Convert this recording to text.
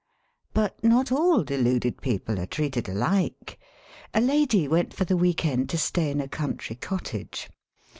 But not all deluded people are treated alike. A lady went for the week end to stay in a country cottage.